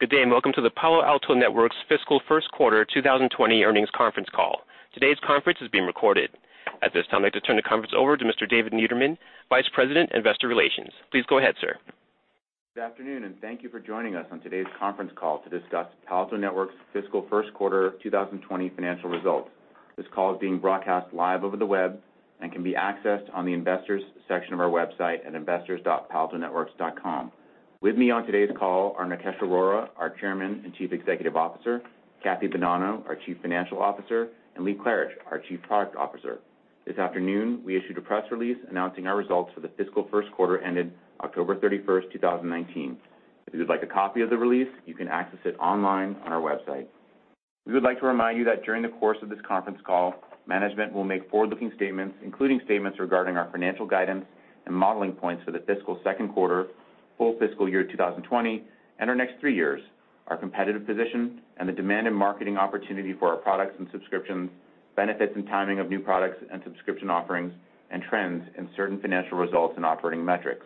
Good day. Welcome to the Palo Alto Networks' fiscal first quarter 2020 earnings conference call. Today's conference is being recorded. At this time, I'd like to turn the conference over to Mr. David Niederman, Vice President, Investor Relations. Please go ahead, sir. Good afternoon, and thank you for joining us on today's conference call to discuss Palo Alto Networks' fiscal first quarter 2020 financial results. This call is being broadcast live over the web and can be accessed on the investors section of our website at investors.paloaltonetworks.com. With me on today's call are Nikesh Arora, our Chairman and Chief Executive Officer, Kathy Bonanno, our Chief Financial Officer, and Lee Klarich, our Chief Product Officer. This afternoon, we issued a press release announcing our results for the fiscal first quarter ended October 31st, 2019. If you would like a copy of the release, you can access it online on our website. We would like to remind you that during the course of this conference call, management will make forward-looking statements, including statements regarding our financial guidance and modeling points for the fiscal second quarter, full fiscal year 2020, and our next three years, our competitive position and the demand and marketing opportunity for our products and subscriptions, benefits and timing of new products and subscription offerings, and trends in certain financial results and operating metrics.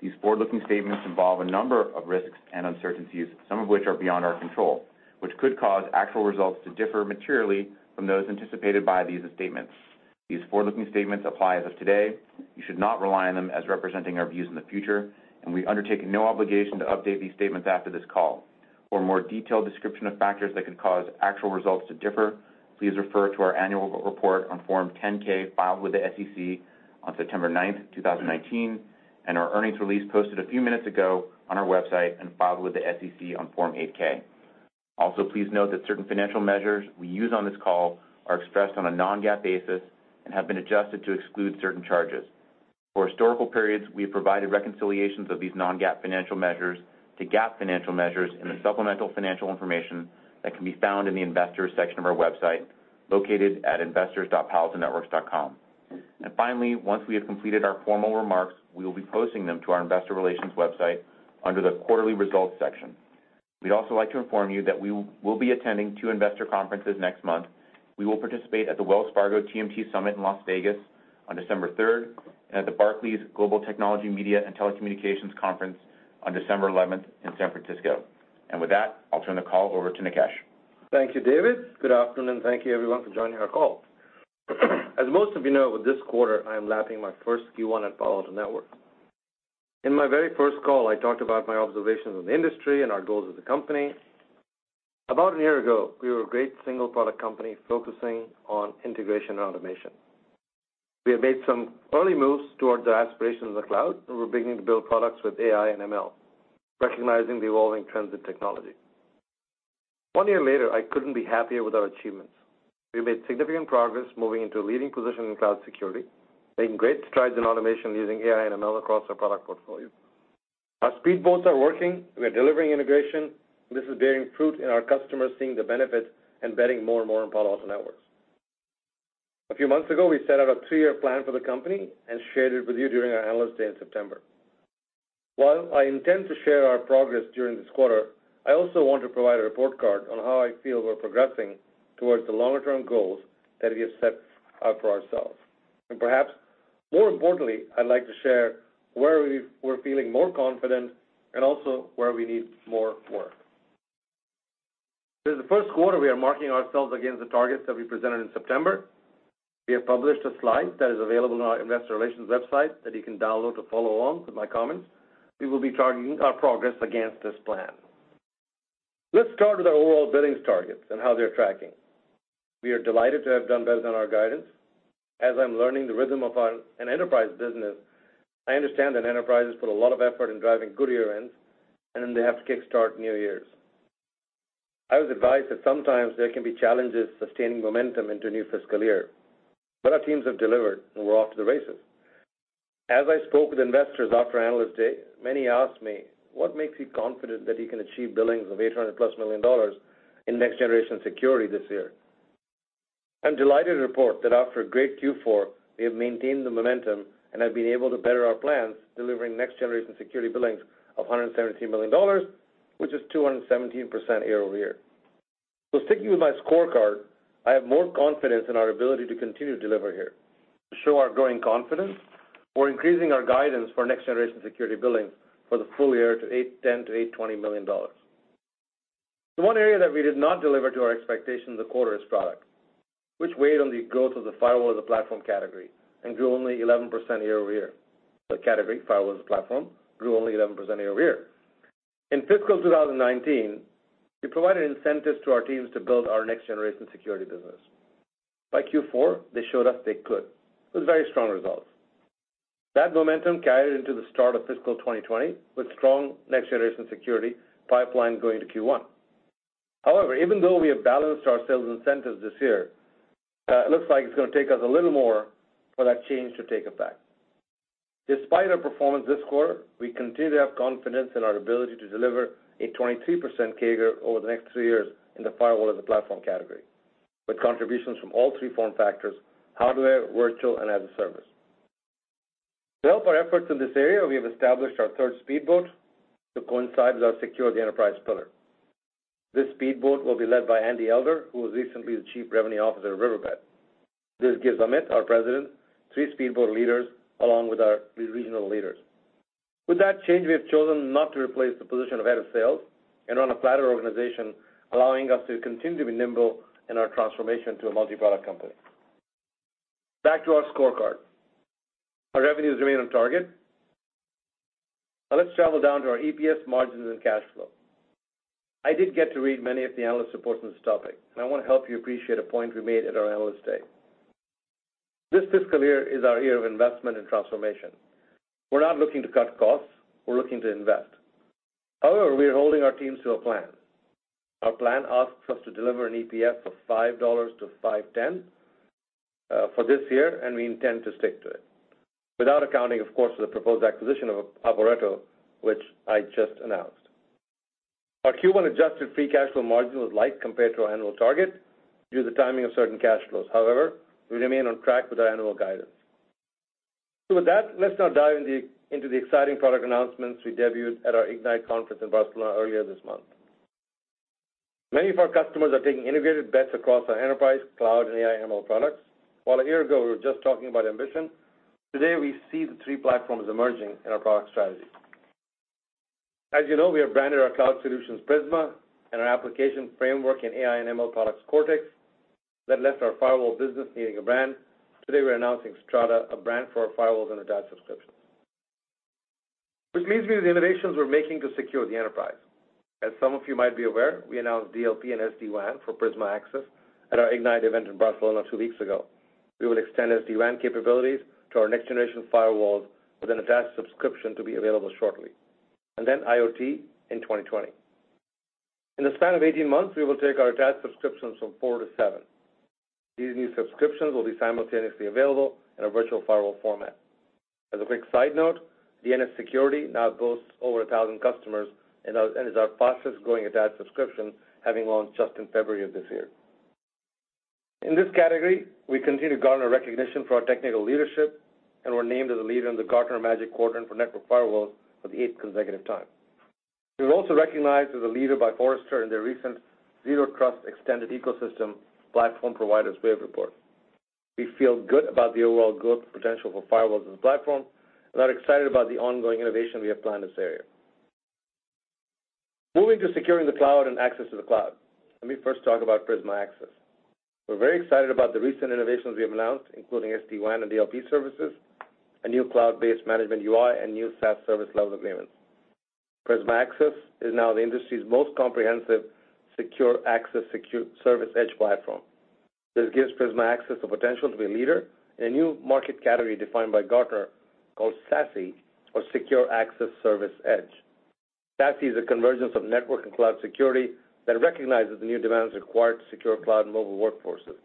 These forward-looking statements involve a number of risks and uncertainties, some of which are beyond our control, which could cause actual results to differ materially from those anticipated by these statements. These forward-looking statements apply as of today. You should not rely on them as representing our views in the future, and we undertake no obligation to update these statements after this call. For a more detailed description of factors that could cause actual results to differ, please refer to our annual report on Form 10-K filed with the SEC on September 9th, 2019, and our earnings release posted a few minutes ago on our website and filed with the SEC on Form 8-K. Please note that certain financial measures we use on this call are expressed on a non-GAAP basis and have been adjusted to exclude certain charges. For historical periods, we have provided reconciliations of these non-GAAP financial measures to GAAP financial measures in the supplemental financial information that can be found in the investors section of our website, located at investors.paloaltonetworks.com. Finally, once we have completed our formal remarks, we will be posting them to our investor relations website under the quarterly results section. We'd also like to inform you that we will be attending two investor conferences next month. We will participate at the Wells Fargo TMT Summit in Las Vegas on December 3rd and at the Barclays Global Technology Media and Telecommunications Conference on December 11th in San Francisco. With that, I'll turn the call over to Nikesh. Thank you, David. Good afternoon, thank you, everyone, for joining our call. As most of you know, with this quarter, I am lapping my first Q1 at Palo Alto Networks. In my very first call, I talked about my observations on the industry and our goals as a company. About a year ago, we were a great single-product company focusing on integration and automation. We have made some early moves towards our aspiration in the cloud, and we're beginning to build products with AI and ML, recognizing the evolving trends in technology. One year later, I couldn't be happier with our achievements. We've made significant progress moving into a leading position in cloud security, making great strides in automation using AI and ML across our product portfolio. Our speedboats are working. We are delivering integration. This is bearing fruit in our customers seeing the benefits and betting more and more on Palo Alto Networks. A few months ago, we set out a three-year plan for the company and shared it with you during our Analyst Day in September. While I intend to share our progress during this quarter, I also want to provide a report card on how I feel we're progressing towards the longer-term goals that we have set out for ourselves. Perhaps more importantly, I'd like to share where we're feeling more confident and also where we need more work. This is the first quarter we are marking ourselves against the targets that we presented in September. We have published a slide that is available on our investor relations website that you can download to follow along with my comments. We will be targeting our progress against this plan. Let's start with our overall billings targets and how they're tracking. We are delighted to have done better than our guidance. As I'm learning the rhythm of an enterprise business, I understand that enterprises put a lot of effort in driving good year-ends, and then they have to kick start new years. I was advised that sometimes there can be challenges sustaining momentum into a new fiscal year, but our teams have delivered, and we're off to the races. As I spoke with investors after Analyst Day, many asked me, "What makes you confident that you can achieve billings of $800-plus million in next-generation security this year?" I'm delighted to report that after a great Q4, we have maintained the momentum and have been able to better our plans, delivering next-generation security billings of $117 million, which is 217% year-over-year. Sticking with my scorecard, I have more confidence in our ability to continue to deliver here. To show our growing confidence, we're increasing our guidance for next-generation security billing for the full year to $810 million-$820 million. The one area that we did not deliver to our expectation this quarter is product, which weighed on the growth of the firewall-as-a-platform category and grew only 11% year-over-year. The category, firewall-as-a-platform, grew only 11% year-over-year. In fiscal 2019, we provided incentives to our teams to build our next-generation security business. By Q4, they showed us they could with very strong results. That momentum carried into the start of fiscal 2020 with strong next-generation security pipeline going to Q1. Even though we have balanced our sales incentives this year, it looks like it's going to take us a little more for that change to take effect. Despite our performance this quarter, we continue to have confidence in our ability to deliver a 23% CAGR over the next three years in the firewall-as-a-platform category, with contributions from all three form factors: hardware, virtual, and as a service. To help our efforts in this area, we have established our third speedboat to coincide with our Secure the Enterprise Pillar. This speedboat will be led by Andy Elder, who was recently the Chief Revenue Officer of Riverbed. This gives Amit, our President, three speedboat leaders along with our regional leaders. With that change, we have chosen not to replace the position of head of sales and run a flatter organization, allowing us to continue to be nimble in our transformation to a multi-product company. Back to our scorecard. Our revenues remain on target. Let's travel down to our EPS margins and cash flow. I did get to read many of the analyst reports on this topic. I want to help you appreciate a point we made at our Analyst Day. This fiscal year is our year of investment and transformation. We're not looking to cut costs. We're looking to invest. However, we are holding our teams to a plan. Our plan asks us to deliver an EPS of $5-$5.10 for this year. We intend to stick to it. Without accounting, of course, for the proposed acquisition of Aporeto, which I just announced. Our Q1 adjusted free cash flow margin was light compared to our annual target due to the timing of certain cash flows. However, we remain on track with our annual guidance. With that, let's now dive into the exciting product announcements we debuted at our Ignite conference in Barcelona earlier this month. Many of our customers are taking integrated bets across our enterprise, cloud, and AI ML products. While a year ago, we were just talking about ambition, today, we see the three platforms emerging in our product strategy. As you know, we have branded our cloud solutions Prisma and our application framework in AI and ML products, Cortex. That left our firewall business needing a brand. Today, we're announcing Strata, a brand for our firewalls and attached subscriptions, which means we have the innovations we're making to secure the enterprise. As some of you might be aware, we announced DLP and SD-WAN for Prisma Access at our Ignite event in Barcelona two weeks ago. We will extend SD-WAN capabilities to our next-generation firewalls with an attached subscription to be available shortly, and then IoT in 2020. In the span of 18 months, we will take our attached subscriptions from four to seven. These new subscriptions will be simultaneously available in a virtual firewall format. As a quick side note, DNS Security now boasts over 1,000 customers and is our fastest-growing attached subscription, having launched just in February of this year. In this category, we continue to garner recognition for our technical leadership and were named as a leader in the Gartner Magic Quadrant for network firewalls for the eighth consecutive time. We were also recognized as a leader by Forrester in their recent Zero Trust eXtended Ecosystem Platform Providers Wave report. We feel good about the overall growth potential for firewalls as a platform, and are excited about the ongoing innovation we have planned this area. Moving to securing the cloud and access to the cloud, let me first talk about Prisma Access. We're very excited about the recent innovations we have announced, including SD-WAN and DLP services, a new cloud-based management UI, and new SaaS service level agreements. Prisma Access is now the industry's most comprehensive Secure Access Service Edge platform. This gives Prisma Access the potential to be a leader in a new market category defined by Gartner called SASE, or Secure Access Service Edge. SASE is a convergence of network and cloud security that recognizes the new demands required to secure cloud and mobile workforces,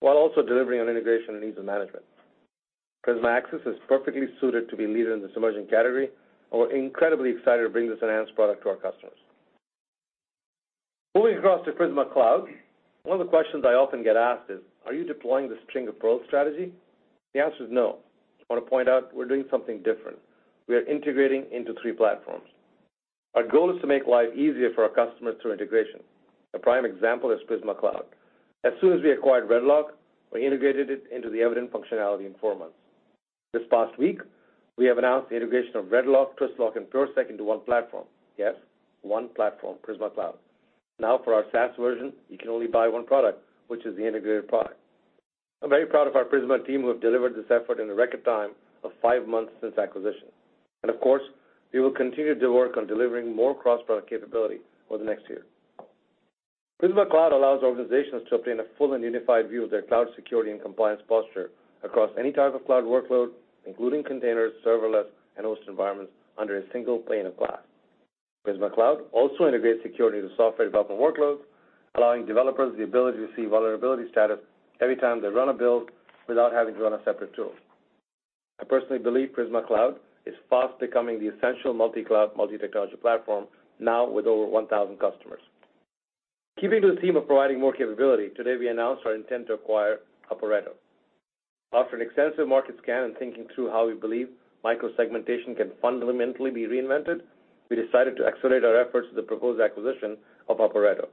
while also delivering on integration and ease of management. Prisma Access is perfectly suited to be a leader in this emerging category, and we're incredibly excited to bring this enhanced product to our customers. Moving across to Prisma Cloud, one of the questions I often get asked is, are you deploying the string of pearls strategy? The answer is no. I want to point out we're doing something different. We are integrating into three platforms. Our goal is to make life easier for our customers through integration. A prime example is Prisma Cloud. As soon as we acquired RedLock, we integrated it into the Evident functionality in four months. This past week, we have announced the integration of RedLock, Twistlock, and PureSec into one platform. Yes, one platform, Prisma Cloud. Now for our SaaS version, you can only buy one product, which is the integrated product. I'm very proud of our Prisma team who have delivered this effort in a record time of five months since acquisition. Of course, we will continue to work on delivering more cross-product capability over the next year. Prisma Cloud allows organizations to obtain a full and unified view of their cloud security and compliance posture across any type of cloud workload, including containers, serverless, and host environments under a single pane of glass. Prisma Cloud also integrates security into software development workloads, allowing developers the ability to see vulnerability status every time they run a build without having to run a separate tool. I personally believe Prisma Cloud is fast becoming the essential multi-cloud, multi-technology platform now with over 1,000 customers. Keeping to the theme of providing more capability, today we announced our intent to acquire Aporeto. After an extensive market scan and thinking through how we believe micro-segmentation can fundamentally be reinvented, we decided to accelerate our efforts with the proposed acquisition of Aporeto.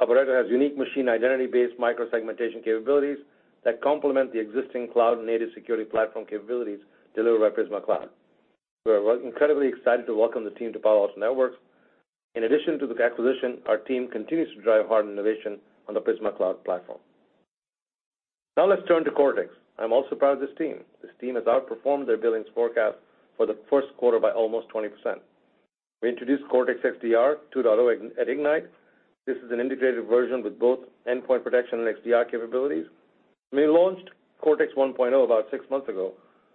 Aporeto has unique machine identity-based micro-segmentation capabilities that complement the existing cloud-native security platform capabilities delivered by Prisma Cloud. We are incredibly excited to welcome the team to Palo Alto Networks. In addition to the acquisition, our team continues to drive hard innovation on the Prisma Cloud platform. Let's turn to Cortex. I'm also proud of this team. This team has outperformed their billings forecast for the first quarter by almost 20%. We introduced Cortex XDR 2.0 at Ignite. This is an integrated version with both endpoint protection and XDR capabilities. We launched Cortex 1.0 about six months ago.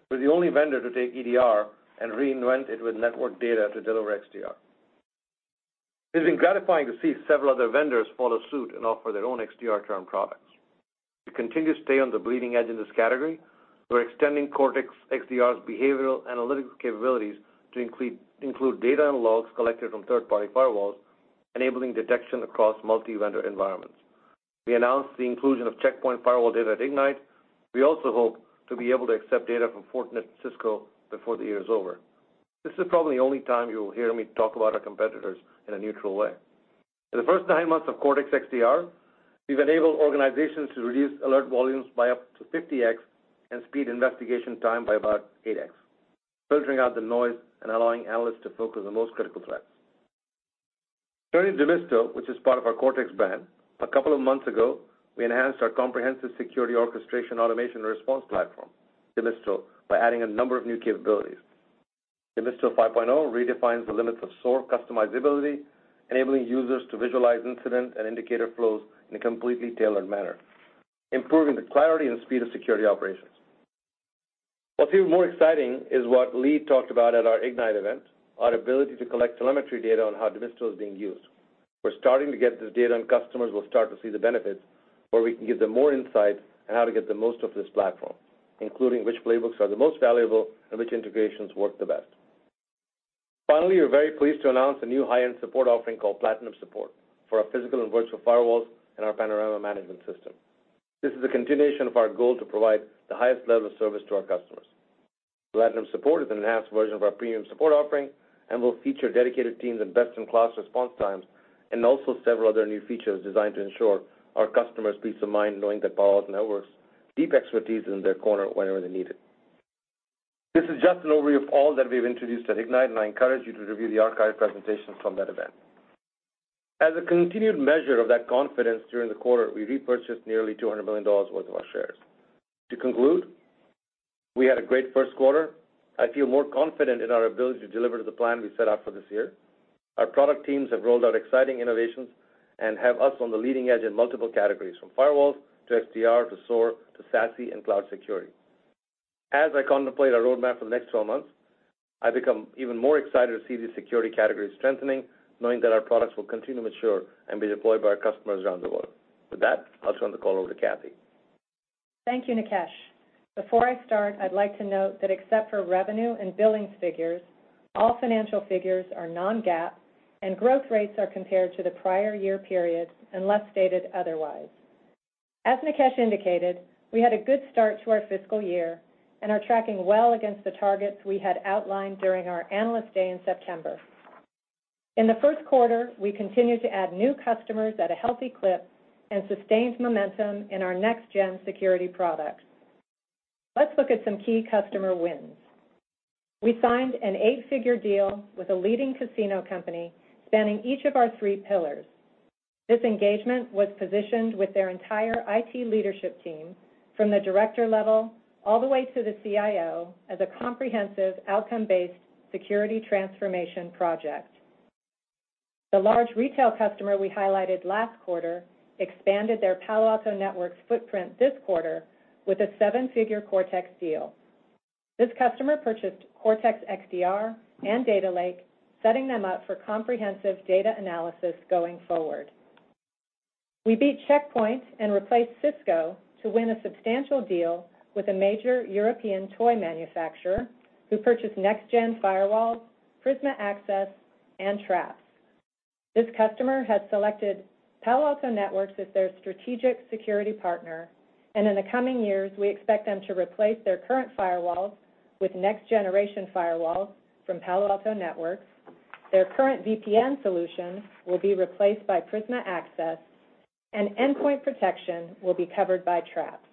We're the only vendor to take EDR and reinvent it with network data to deliver XDR. It's been gratifying to see several other vendors follow suit and offer their own XDR term products. To continue to stay on the bleeding edge in this category, we're extending Cortex XDR's behavioral analytical capabilities to include data and logs collected from third-party firewalls, enabling detection across multi-vendor environments. We announced the inclusion of Check Point firewall data at Ignite. We also hope to be able to accept data from Fortinet and Cisco before the year is over. This is probably the only time you will hear me talk about our competitors in a neutral way. In the first nine months of Cortex XDR, we've enabled organizations to reduce alert volumes by up to 50X and speed investigation time by about 8X, filtering out the noise and allowing analysts to focus on the most critical threats. Turning to Demisto, which is part of our Cortex brand, a couple of months ago, we enhanced our comprehensive security orchestration automation response platform, Demisto, by adding a number of new capabilities. Demisto 5.0 redefines the limits of SOAR customizability, enabling users to visualize incident and indicator flows in a completely tailored manner, improving the clarity and speed of security operations. What's even more exciting is what Lee talked about at our Ignite event, our ability to collect telemetry data on how Demisto is being used. We're starting to get this data, and customers will start to see the benefits, where we can give them more insight on how to get the most of this platform, including which playbooks are the most valuable and which integrations work the best. Finally, we're very pleased to announce a new high-end support offering called Platinum Support for our physical and virtual firewalls and our Panorama management system. This is a continuation of our goal to provide the highest level of service to our customers. Platinum Support is an enhanced version of our premium support offering and will feature dedicated teams and best-in-class response times, and also several other new features designed to ensure our customers' peace of mind, knowing that Palo Alto Networks' deep expertise is in their corner whenever they need it. This is just an overview of all that we've introduced at Ignite, and I encourage you to review the archived presentations from that event. As a continued measure of that confidence during the quarter, we repurchased nearly $200 million worth of our shares. To conclude, we had a great first quarter. I feel more confident in our ability to deliver to the plan we set out for this year. Our product teams have rolled out exciting innovations and have us on the leading edge in multiple categories, from firewalls to XDR, to SOAR, to SASE, and cloud security. As I contemplate our roadmap for the next 12 months, I become even more excited to see the security category strengthening, knowing that our products will continue to mature and be deployed by our customers around the world. With that, I'll turn the call over to Kathy. Thank you, Nikesh. Before I start, I'd like to note that except for revenue and billings figures, all financial figures are non-GAAP, and growth rates are compared to the prior year period unless stated otherwise. As Nikesh indicated, we had a good start to our fiscal year and are tracking well against the targets we had outlined during our Analyst Day in September. In the first quarter, we continued to add new customers at a healthy clip and sustained momentum in our next-gen security products. Let's look at some key customer wins. We signed an eight-figure deal with a leading casino company spanning each of our three pillars. This engagement was positioned with their entire IT leadership team, from the director level all the way to the CIO, as a comprehensive, outcome-based security transformation project. The large retail customer we highlighted last quarter expanded their Palo Alto Networks footprint this quarter with a seven-figure Cortex deal. This customer purchased Cortex XDR and Data Lake, setting them up for comprehensive data analysis going forward. We beat Check Point and replaced Cisco to win a substantial deal with a major European toy manufacturer who purchased next-gen firewalls, Prisma Access, and Traps. This customer has selected Palo Alto Networks as their strategic security partner, and in the coming years, we expect them to replace their current firewalls with next-generation firewalls from Palo Alto Networks. Their current VPN solution will be replaced by Prisma Access, and endpoint protection will be covered by Traps.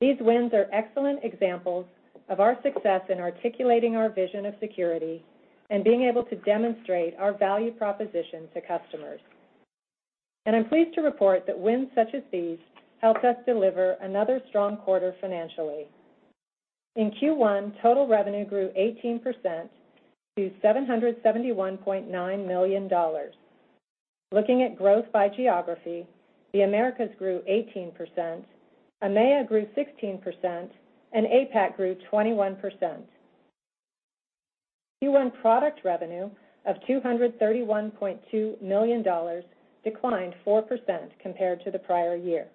These wins are excellent examples of our success in articulating our vision of security and being able to demonstrate our value proposition to customers. I'm pleased to report that wins such as these helped us deliver another strong quarter financially. In Q1, total revenue grew 18% to $771.9 million. Looking at growth by geography, the Americas grew 18%, EMEA grew 16%, and APAC grew 21%. Q1 product revenue of $231.2 million declined 4% compared to the prior year.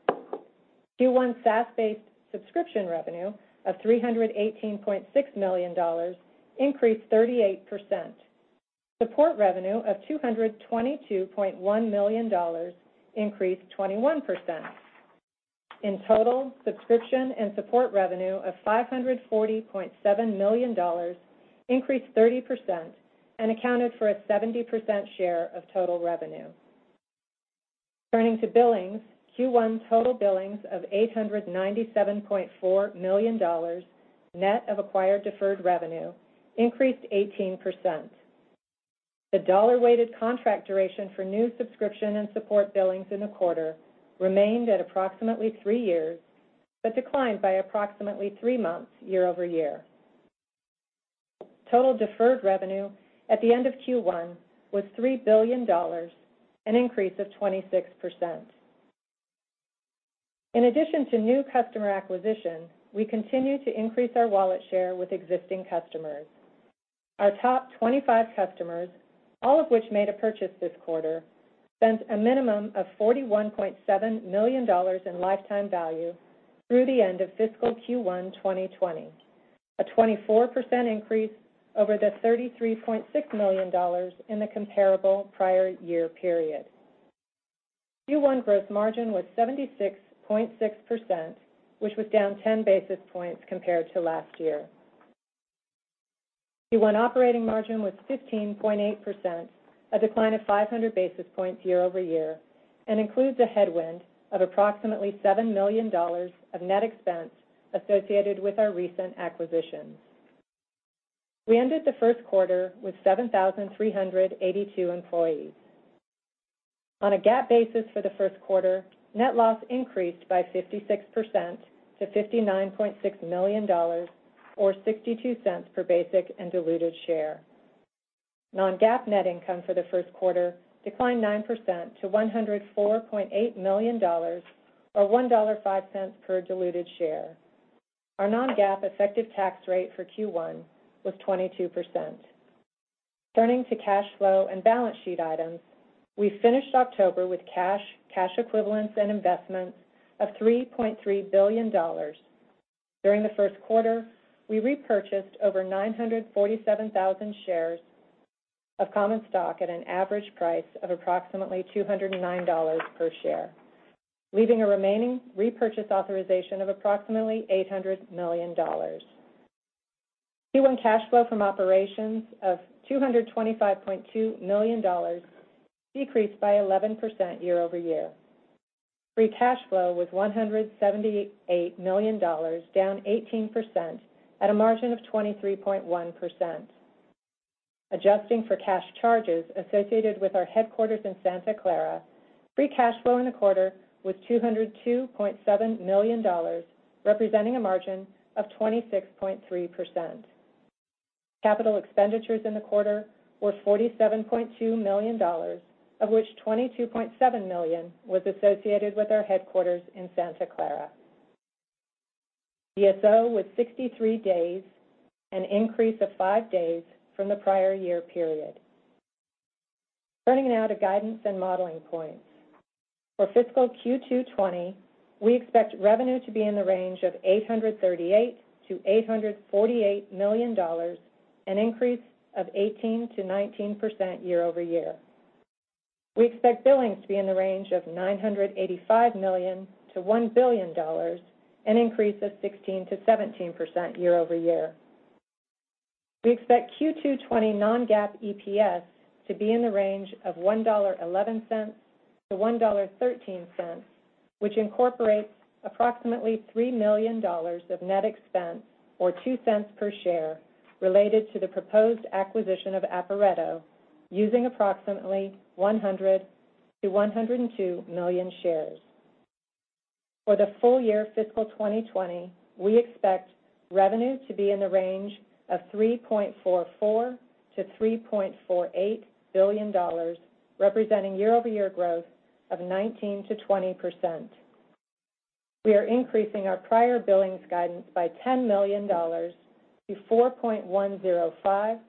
Q1 SaaS-based subscription revenue of $318.6 million increased 38%. Support revenue of $222.1 million increased 21%. In total, subscription and support revenue of $540.7 million increased 30% and accounted for a 70% share of total revenue. Turning to billings, Q1 total billings of $897.4 million, net of acquired deferred revenue, increased 18%. The dollar-weighted contract duration for new subscription and support billings in the quarter remained at approximately three years, but declined by approximately three months year-over-year. Total deferred revenue at the end of Q1 was $3 billion, an increase of 26%. In addition to new customer acquisition, we continue to increase our wallet share with existing customers. Our top 25 customers, all of which made a purchase this quarter, spent a minimum of $41.7 million in lifetime value through the end of fiscal Q1 2020. A 24% increase over the $33.6 million in the comparable prior year period. Q1 growth margin was 76.6%, which was down 10 basis points compared to last year. Q1 operating margin was 15.8%, a decline of 500 basis points year-over-year, and includes a headwind of approximately $7 million of net expense associated with our recent acquisitions. We ended the first quarter with 7,382 employees. On a GAAP basis for the first quarter, net loss increased by 56% to $59.6 million, or $0.62 per basic and diluted share. Non-GAAP net income for the first quarter declined 9% to $104.8 million, or $1.05 per diluted share. Our Non-GAAP effective tax rate for Q1 was 22%. Turning to cash flow and balance sheet items, we finished October with cash equivalents and investments of $3.3 billion. During the first quarter, we repurchased over 947,000 shares of common stock at an average price of approximately $209 per share, leaving a remaining repurchase authorization of approximately $800 million. Q1 cash flow from operations of $225.2 million decreased by 11% year-over-year. Free cash flow was $178 million, down 18%, at a margin of 23.1%. Adjusting for cash charges associated with our headquarters in Santa Clara, free cash flow in the quarter was $202.7 million, representing a margin of 26.3%. Capital expenditures in the quarter were $47.2 million, of which $22.7 million was associated with our headquarters in Santa Clara. DSO was 63 days, an increase of five days from the prior year period. Turning now to guidance and modeling points. For fiscal Q2 2020, we expect revenue to be in the range of $838 million-$848 million, an increase of 18%-19% year-over-year. We expect billings to be in the range of $985 million-$1 billion, an increase of 16%-17% year-over-year. We expect Q2 2020 non-GAAP EPS to be in the range of $1.11-$1.13, which incorporates approximately $3 million of net expense, or $0.02 per share, related to the proposed acquisition of Aporeto, using approximately 100 million-102 million shares. For the full year fiscal 2020, we expect revenue to be in the range of $3.44 billion-$3.48 billion, representing year-over-year growth of 19%-20%. We are increasing our prior billings guidance by $10 million to $4.105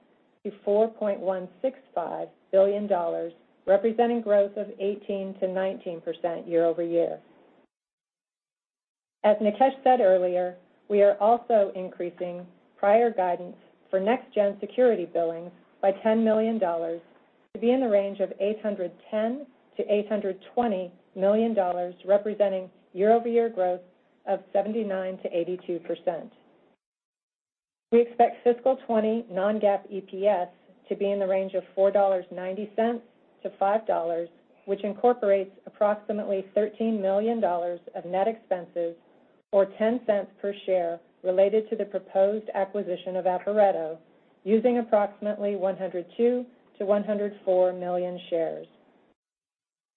billion-$4.165 billion, representing growth of 18%-19% year-over-year. As Nikesh said earlier, we are also increasing prior guidance for next-gen security billings by $10 million to be in the range of $810 million-$820 million, representing year-over-year growth of 79%-82%. We expect fiscal 2020 non-GAAP EPS to be in the range of $4.90-$5, which incorporates approximately $13 million of net expenses or $0.10 per share related to the proposed acquisition of Aporeto, using approximately 102 million-104 million shares.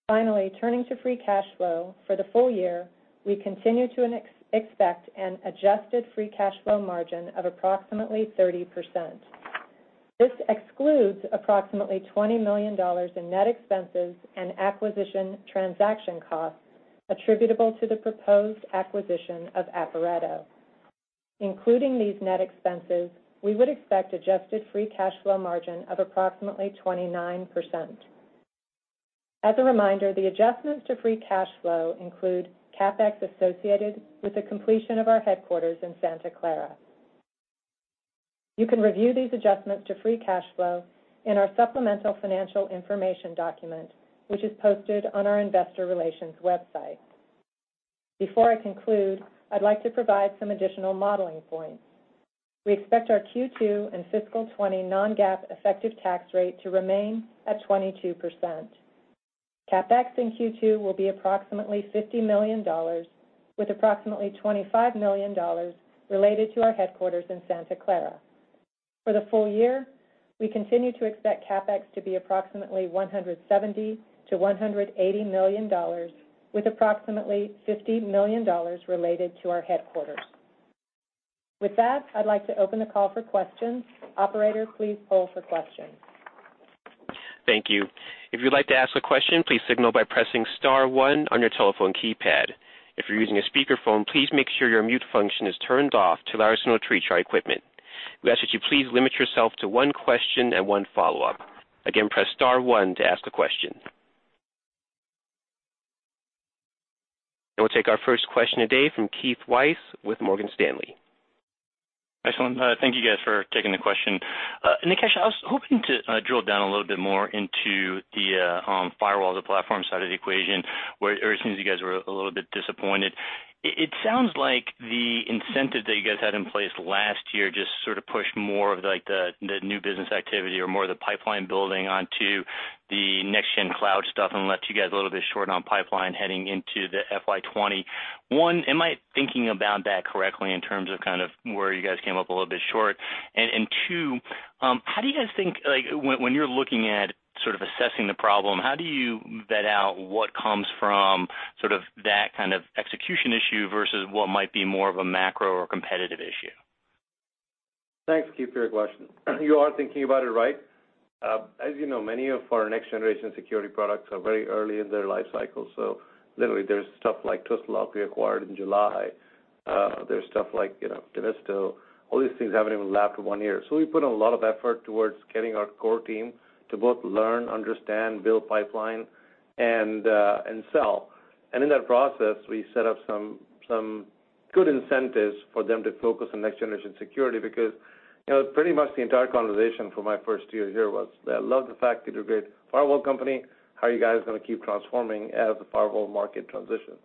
Finally, turning to free cash flow for the full year, we continue to expect an adjusted free cash flow margin of approximately 30%. This excludes approximately $20 million in net expenses and acquisition transaction costs attributable to the proposed acquisition of Aporeto. Including these net expenses, we would expect adjusted free cash flow margin of approximately 29%. As a reminder, the adjustments to free cash flow include CapEx associated with the completion of our headquarters in Santa Clara. You can review these adjustments to free cash flow in our supplemental financial information document, which is posted on our investor relations website. Before I conclude, I'd like to provide some additional modeling points. We expect our Q2 and fiscal 2020 non-GAAP effective tax rate to remain at 22%. CapEx in Q2 will be approximately $50 million, with approximately $25 million related to our headquarters in Santa Clara. For the full year, we continue to expect CapEx to be approximately $170 million-$180 million, with approximately $50 million related to our headquarters. With that, I'd like to open the call for questions. Operator, please poll for questions. Thank you. If you'd like to ask a question, please signal by pressing star one on your telephone keypad. If you're using a speakerphone, please make sure your mute function is turned off to allow us to not treat your equipment. We ask that you please limit yourself to one question and one follow-up. Again, press star one to ask a question. We'll take our first question today from Keith Weiss with Morgan Stanley. Excellent. Thank you guys for taking the question. Nikesh, I was hoping to drill down a little bit more into the firewall, the platform side of the equation, where it seems you guys were a little bit disappointed. It sounds like the incentive that you guys had in place last year just sort of pushed more of the new business activity or more of the pipeline building onto the next-gen cloud stuff, and left you guys a little bit short on pipeline heading into the FY 2020. One, am I thinking about that correctly in terms of where you guys came up a little bit short? Two, how do you guys think, when you're looking at assessing the problem, how do you vet out what comes from that kind of execution issue versus what might be more of a macro or competitive issue? Thanks, Keith, for your question. You are thinking about it right. As you know, many of our next-generation security products are very early in their life cycle. Literally there's stuff like Twistlock we acquired in July. There's stuff like Demisto. All these things haven't even lasted one year. We put a lot of effort towards getting our core team to both learn, understand, build pipeline, and sell. In that process, we set up some good incentives for them to focus on next-generation security because pretty much the entire conversation for my first year here was, "I love the fact that you're a great firewall company. How are you guys going to keep transforming as the firewall market transitions?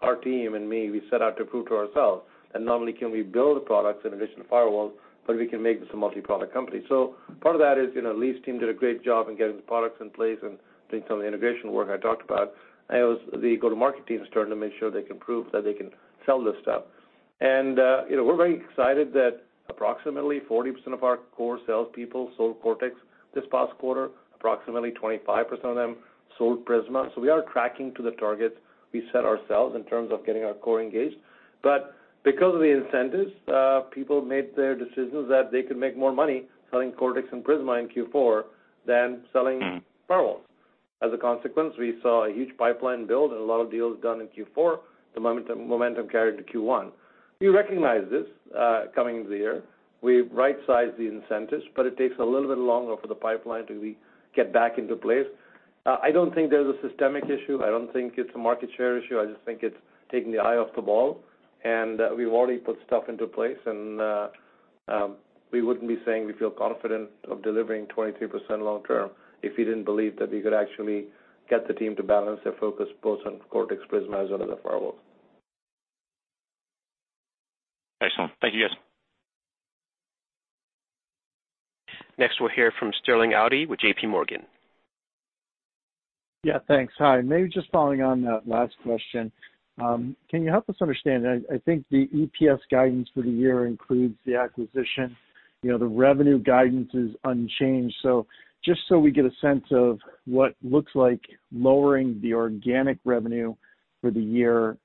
Our team and me, we set out to prove to ourselves that not only can we build products in addition to firewalls, but we can make this a multi-product company. Part of that is Lee's team did a great job in getting the products in place and doing some of the integration work I talked about. It was the go-to-market team's turn to make sure they can prove that they can sell this stuff. We're very excited that approximately 40% of our core salespeople sold Cortex this past quarter, approximately 25% of them sold Prisma. We are tracking to the targets we set ourselves in terms of getting our core engaged. Because of the incentives, people made their decisions that they could make more money selling Cortex and Prisma in Q4 than selling firewalls. As a consequence, we saw a huge pipeline build and a lot of deals done in Q4, the momentum carried to Q1. We recognized this coming into the year. We right-sized the incentives, but it takes a little bit longer for the pipeline to get back into place. I don't think there's a systemic issue. I don't think it's a market share issue. I just think it's taking the eye off the ball, and we've already put stuff into place and we wouldn't be saying we feel confident of delivering 23% long term if we didn't believe that we could actually get the team to balance their focus both on Cortex, Prisma, as well as the firewall. Excellent. Thank you, guys. Next, we'll hear from Sterling Auty with J.P. Morgan. Yeah, thanks. Hi. Maybe just following on that last question, can you help us understand, I think the EPS guidance for the year includes the acquisition. The revenue guidance is unchanged, so just so we get a sense of what looks like lowering the organic revenue for the year,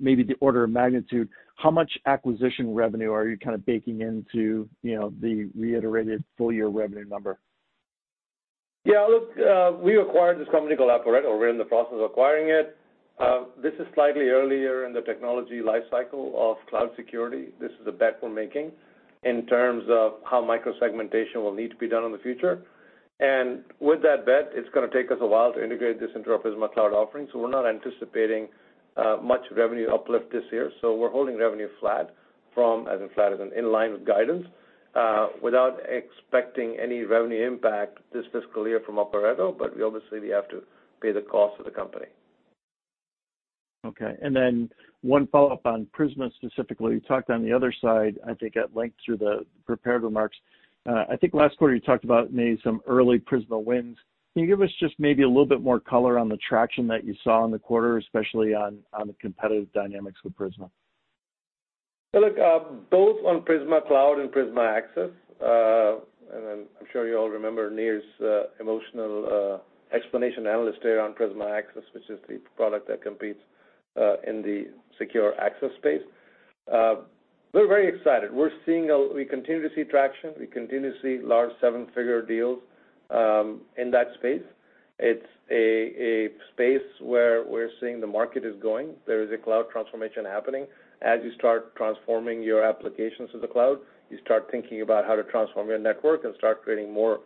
maybe the order of magnitude, how much acquisition revenue are you kind of baking into the reiterated full-year revenue number? We acquired this company called Aporeto, or we're in the process of acquiring it. This is slightly earlier in the technology life cycle of cloud security. This is a bet we're making in terms of how micro-segmentation will need to be done in the future. With that bet, it's going to take us a while to integrate this into our Prisma Cloud offering, so we're not anticipating much revenue uplift this year. We're holding revenue flat from, as in flat as in inline with guidance, without expecting any revenue impact this fiscal year from Aporeto, but obviously, we have to pay the cost of the company. Okay. One follow-up on Prisma specifically. You talked on the other side, I think at length through the prepared remarks. I think last quarter you talked about maybe some early Prisma wins. Can you give us just maybe a little bit more color on the traction that you saw in the quarter, especially on the competitive dynamics with Prisma? Look, both on Prisma Cloud and Prisma Access, and I'm sure you all remember Nir's emotional explanation to analysts there on Prisma Access, which is the product that competes in the secure access space. We're very excited. We continue to see traction. We continue to see large seven-figure deals in that space. It's a space where we're seeing the market is going. There is a cloud transformation happening. As you start transforming your applications to the cloud, you start thinking about how to transform your network and start creating more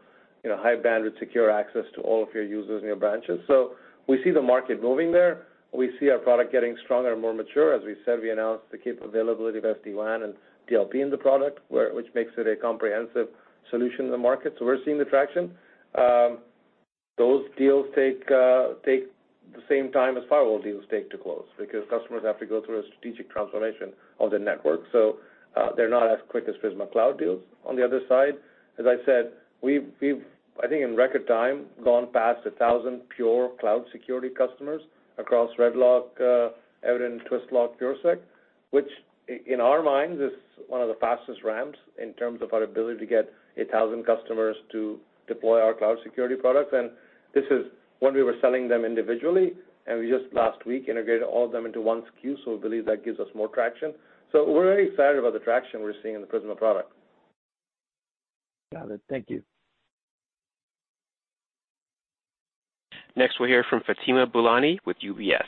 high-bandwidth secure access to all of your users and your branches. We see the market moving there. We see our product getting stronger and more mature. As we said, we announced the capability of SD-WAN and DLP in the product, which makes it a comprehensive solution in the market. We're seeing the traction. Those deals take the same time as firewall deals take to close because customers have to go through a strategic transformation of their network. They're not as quick as Prisma Cloud deals on the other side. As I said, we've, I think in record time, gone past 1,000 pure cloud security customers across RedLock, Evident, Twistlock, PureSec, which in our minds is one of the fastest ramps in terms of our ability to get 1,000 customers to deploy our cloud security products. This is when we were selling them individually, and we just last week integrated all of them into one SKU. We believe that gives us more traction. We're very excited about the traction we're seeing in the Prisma product. Got it. Thank you. Next, we'll hear from Fatima Boolani with UBS.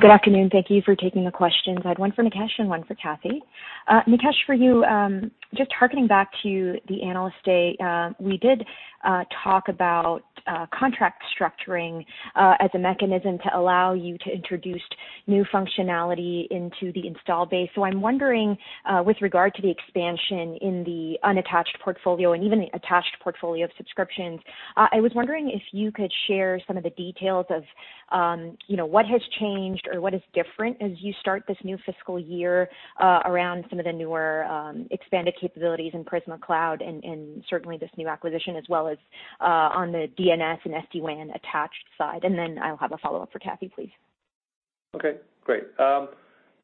Good afternoon. Thank you for taking the questions. I had one for Nikesh and one for Kathy. Nikesh, for you, just harkening back to the Analyst Day, we did talk about contract structuring as a mechanism to allow you to introduce new functionality into the install base. I'm wondering, with regard to the expansion in the unattached portfolio and even the attached portfolio of subscriptions, I was wondering if you could share some of the details of what has changed or what is different as you start this new fiscal year around some of the newer expanded capabilities in Prisma Cloud and certainly this new acquisition, as well as on the DNS and SD-WAN attached side. I'll have a follow-up for Kathy, please. Okay, great.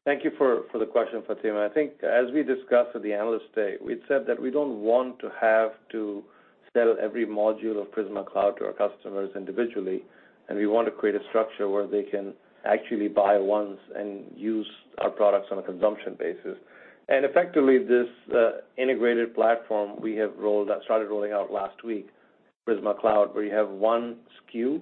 Thank you for the question, Fatima. I think as we discussed at the Analyst Day, we'd said that we don't want to have to sell every module of Prisma Cloud to our customers individually. We want to create a structure where they can actually buy once and use our products on a consumption basis. Effectively, this integrated platform we have started rolling out last week, Prisma Cloud, where you have one SKU,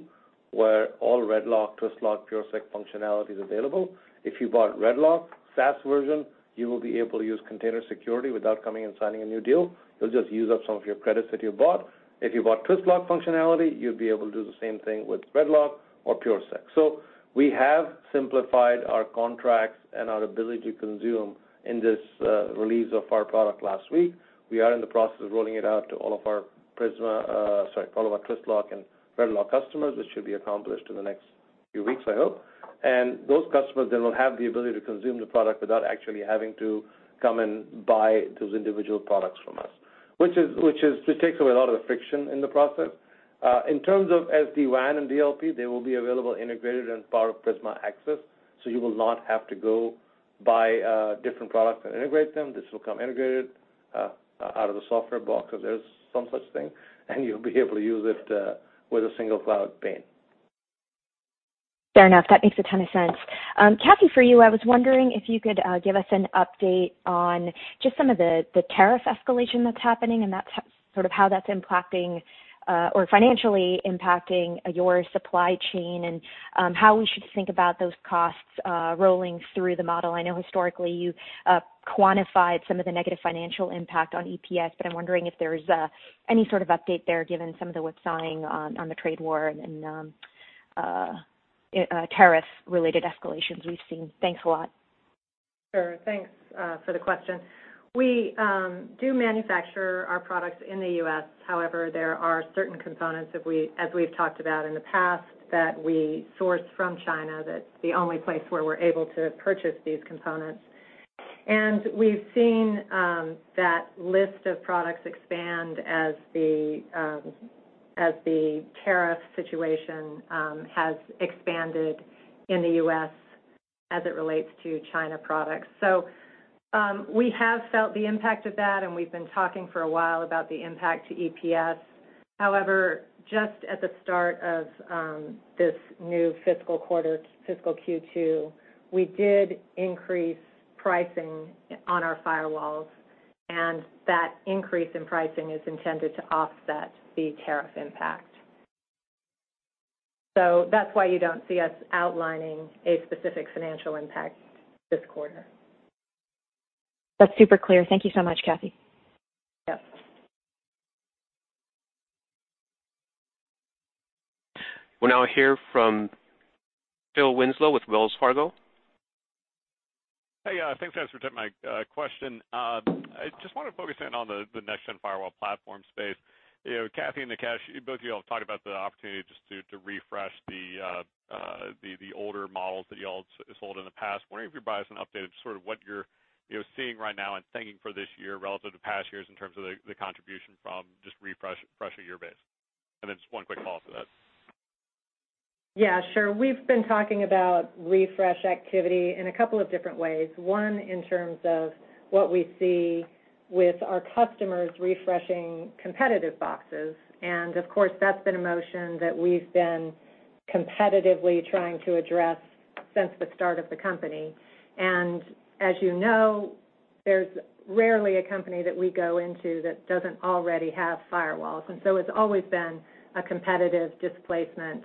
where all RedLock, Twistlock, PureSec functionality is available. If you bought RedLock SaaS version, you will be able to use container security without coming and signing a new deal. You'll just use up some of your credits that you bought. If you bought Twistlock functionality, you'll be able to do the same thing with RedLock or PureSec. We have simplified our contracts and our ability to consume in this release of our product last week. We are in the process of rolling it out to all of our Twistlock and RedLock customers, which should be accomplished in the next few weeks, I hope. Those customers then will have the ability to consume the product without actually having to come and buy those individual products from us, which takes away a lot of the friction in the process. In terms of SD-WAN and DLP, they will be available integrated as part of Prisma Access. You will not have to go buy different products and integrate them. This will come integrated out of the software box, if there's some such thing, and you'll be able to use it with a single cloud pane. Fair enough. That makes a ton of sense. Kathy, for you, I was wondering if you could give us an update on just some of the tariff escalation that's happening and sort of how that's impacting or financially impacting your supply chain and how we should think about those costs rolling through the model. I know historically you quantified some of the negative financial impact on EPS, but I'm wondering if there's any sort of update there given some of what's going on the trade war and tariff-related escalations we've seen. Thanks a lot. Sure. Thanks for the question. We do manufacture our products in the U.S. However, there are certain components, as we've talked about in the past, that we source from China, that's the only place where we're able to purchase these components. We've seen that list of products expand as the tariff situation has expanded in the U.S. as it relates to China products. We have felt the impact of that, and we've been talking for a while about the impact to EPS. However, just at the start of this new fiscal quarter, fiscal Q2, we did increase pricing on our firewalls, and that increase in pricing is intended to offset the tariff impact. That's why you don't see us outlining a specific financial impact this quarter. That's super clear. Thank you so much, Kathy. Yes. We'll now hear from Phil Winslow with Wells Fargo. Hey, thanks for taking my question. I just want to focus in on the next-gen firewall platform space. Kathy and Nikesh, both of you all have talked about the opportunity just to refresh the older models that you all sold in the past. I'm wondering if you can provide us an update of sort of what you're seeing right now and thinking for this year relative to past years in terms of the contribution from just refreshing your base. Just one quick follow-up to that. Yeah, sure. We've been talking about refresh activity in a couple of different ways. One, in terms of what we see with our customers refreshing competitive boxes. Of course, that's been a motion that we've been competitively trying to address since the start of the company. As you know, there's rarely a company that we go into that doesn't already have firewalls. So it's always been a competitive displacement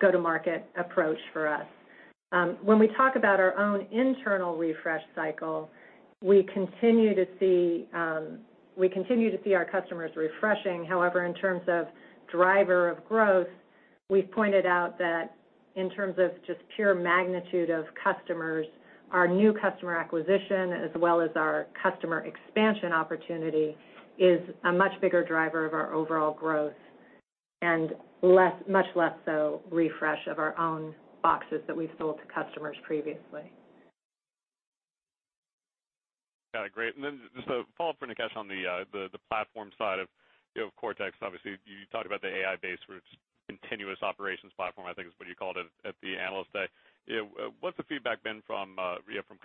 go-to-market approach for us. When we talk about our own internal refresh cycle, we continue to see our customers refreshing. However, in terms of driver of growth, we've pointed out that in terms of just pure magnitude of customers, our new customer acquisition as well as our customer expansion opportunity is a much bigger driver of our overall growth and much less so refresh of our own boxes that we've sold to customers previously. Got it. Great. Just a follow-up for Nikesh on the platform side of Cortex. Obviously, you talked about the AI-based continuous operations platform, I think is what you called it at the Analyst Day. What's the feedback been from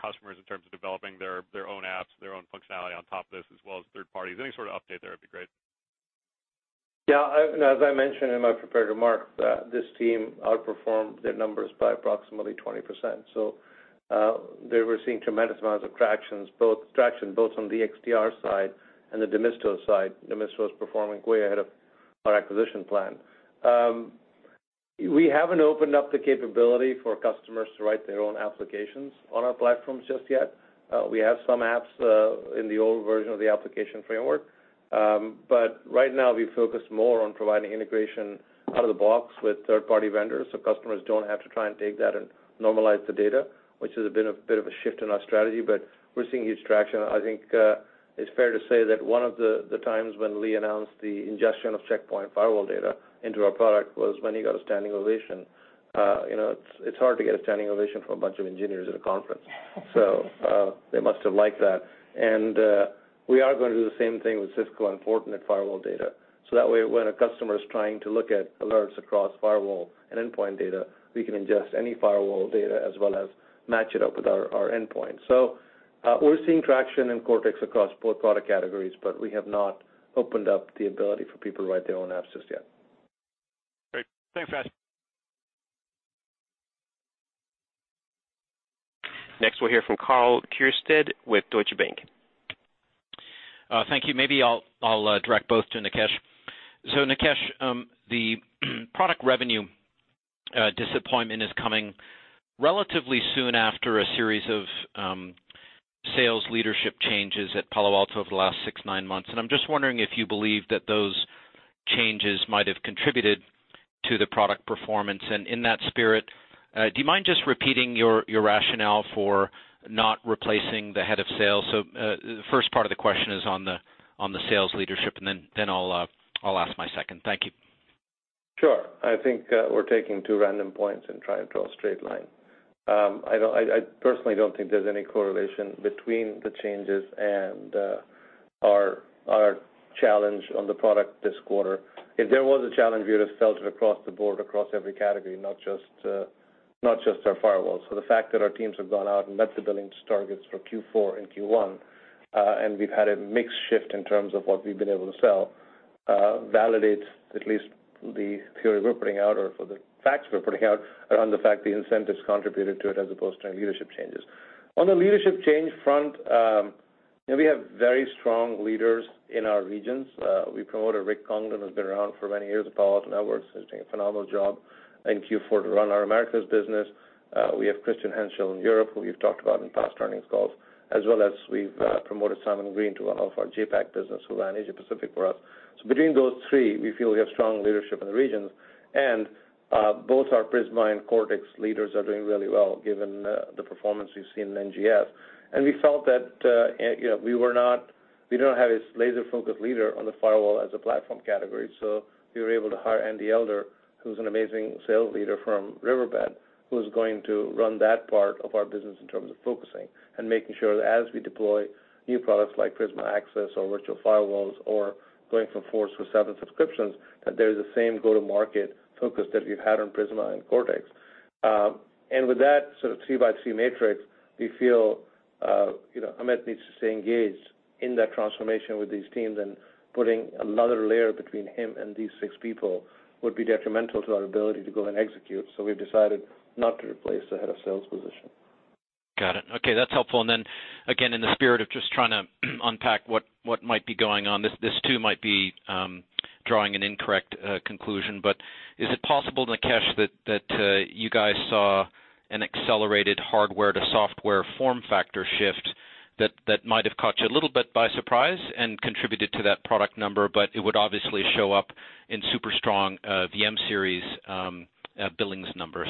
customers in terms of developing their own apps, their own functionality on top of this, as well as third parties? Any sort of update there would be great. As I mentioned in my prepared remarks, this team outperformed their numbers by approximately 20%. They were seeing tremendous amounts of traction, both on the XDR side and the Demisto side. Demisto is performing way ahead of our acquisition plan. We haven't opened up the capability for customers to write their own applications on our platforms just yet. We have some apps in the old version of the application framework. Right now, we focus more on providing integration out of the box with third-party vendors, customers don't have to try and take that and normalize the data, which has been a bit of a shift in our strategy, we're seeing huge traction. I think it's fair to say that one of the times when Lee announced the ingestion of Check Point firewall data into our product was when he got a standing ovation. It's hard to get a standing ovation from a bunch of engineers at a conference. They must have liked that. We are going to do the same thing with Cisco and Fortinet firewall data, so that way when a customer is trying to look at alerts across firewall and endpoint data, we can ingest any firewall data as well as match it up with our endpoint. We're seeing traction in Cortex across both product categories, but we have not opened up the ability for people to write their own apps just yet. Great. Thanks, Raj. Next, we'll hear from Karl Keirstead with Deutsche Bank. Thank you. Maybe I'll direct both to Nikesh. Nikesh, the product revenue disappointment is coming relatively soon after a series of sales leadership changes at Palo Alto over the last six, nine months, and I'm just wondering if you believe that those changes might have contributed to the product performance. In that spirit, do you mind just repeating your rationale for not replacing the head of sales? The first part of the question is on the sales leadership, and then I'll ask my second. Thank you. Sure. I think we're taking two random points and trying to draw a straight line. I personally don't think there's any correlation between the changes and our challenge on the product this quarter. If there was a challenge, you would have felt it across the board, across every category, not just our firewalls. The fact that our teams have gone out and met the billings targets for Q4 and Q1, and we've had a mixed shift in terms of what we've been able to sell, validates at least the theory we're putting out or for the facts we're putting out around the fact the incentives contributed to it as opposed to any leadership changes. On the leadership change front, we have very strong leaders in our regions. We promoted Rick Congdon, who's been around for many years at Palo Alto Networks, who's doing a phenomenal job in Q4 to run our Americas business. We have Christian Hentschel in Europe, who we've talked about in past earnings calls, as well as we've promoted Simon Green to run all of our JAPAC business who ran Asia Pacific for us. Between those three, we feel we have strong leadership in the regions. Both our Prisma and Cortex leaders are doing really well given the performance we've seen in NGS. We felt that we didn't have a laser-focused leader on the firewall as a platform category, so we were able to hire Andy Elder, who's an amazing sales leader from Riverbed, who's going to run that part of our business in terms of focusing and making sure that as we deploy new products like Prisma Access or virtual firewalls or going from four to seven subscriptions, that there's the same go-to-market focus that we've had on Prisma and Cortex. With that sort of two by two matrix, we feel Amit needs to stay engaged in that transformation with these teams and putting another layer between him and these six people would be detrimental to our ability to go and execute. We've decided not to replace the head of sales position. Got it. Okay. That's helpful. Then again, in the spirit of just trying to unpack what might be going on, this too might be drawing an incorrect conclusion, but is it possible, Nikesh, that you guys saw an accelerated hardware to software form factor shift that might have caught you a little bit by surprise and contributed to that product number, but it would obviously show up in super strong VM-Series billings numbers?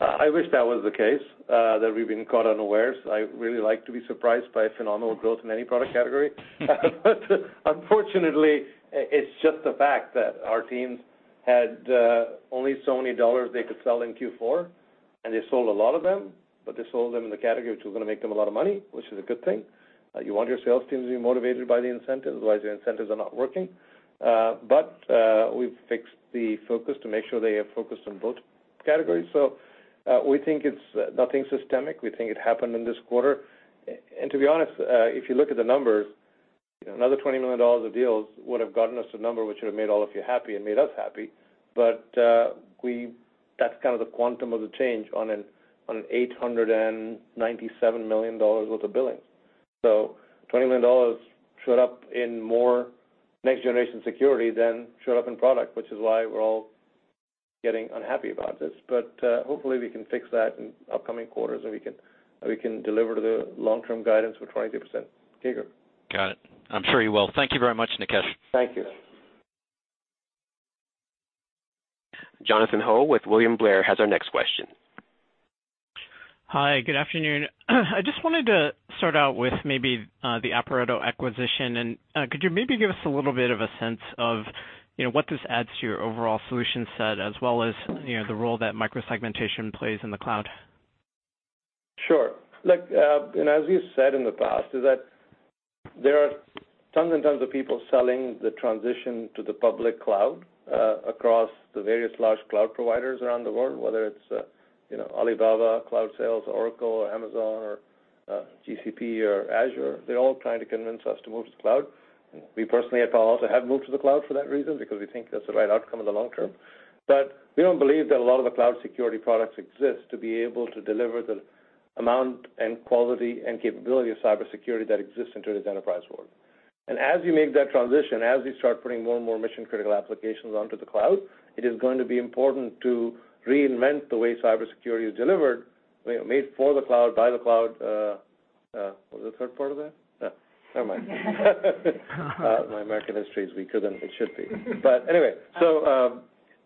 I wish that was the case, that we've been caught unawares. I really like to be surprised by phenomenal growth in any product category. Unfortunately, it's just the fact that our teams had only so many dollars they could sell in Q4, and they sold a lot of them, but they sold them in the category which was going to make them a lot of money, which is a good thing. You want your sales teams to be motivated by the incentives, otherwise your incentives are not working. We've fixed the focus to make sure they are focused on both categories. We think it's nothing systemic. We think it happened in this quarter. To be honest, if you look at the numbers, another $20 million of deals would have gotten us a number which would have made all of you happy and made us happy. That's kind of the quantum of the change on an $897 million worth of billings. $20 million showed up in more Next Generation Security than showed up in product, which is why we're all getting unhappy about this. Hopefully, we can fix that in upcoming quarters, and we can deliver the long-term guidance for 22%. Okay, good. Got it. I'm sure you will. Thank you very much, Nikesh. Thank you. Jonathan Ho with William Blair has our next question. Hi, good afternoon. I just wanted to start out with maybe the Aporeto acquisition, and could you maybe give us a little bit of a sense of what this adds to your overall solution set as well as the role that microsegmentation plays in the cloud? Sure. Look, as we've said in the past, is that there are tons and tons of people selling the transition to the public cloud, across the various large cloud providers around the world, whether it's Alibaba, Cloud Sales, Oracle, Amazon, or GCP or Azure. They're all trying to convince us to move to the cloud. We personally at Palo Alto have moved to the cloud for that reason, because we think that's the right outcome in the long term. We don't believe that a lot of the cloud security products exist to be able to deliver the amount and quality and capability of cybersecurity that exists into this enterprise world. As you make that transition, as you start putting more and more mission-critical applications onto the cloud, it is going to be important to reinvent the way cybersecurity is delivered, made for the cloud, by the cloud. What was the third part of that? Never mind. My American history is weaker than it should be. Anyway.